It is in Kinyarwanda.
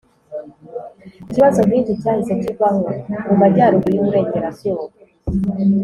ikibazo nk' iki cyahise kivaho. mu majyaruguru y' uburengerazuba,